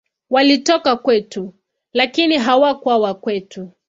Walitoka kwetu, lakini hawakuwa wa kwetu.